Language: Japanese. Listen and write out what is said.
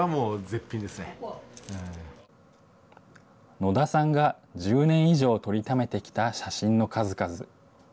野田さんが１０年以上撮りためてきた写真の数々。